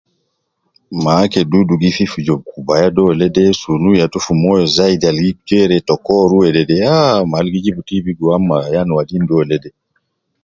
Mama ke dudu gi fi fi jua kubaya dole ,sunu yatu fi moyo zaidi al gi jere ta koru wedede, ah mal gi jibu TB me ayan wadin dole de